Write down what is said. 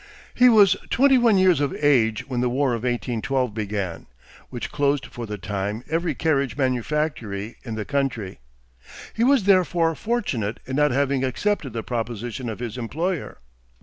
He was twenty one years of age when the war of 1812 began, which closed for the time every carriage manufactory in the country. He was therefore fortunate in not having accepted the proposition of his employer.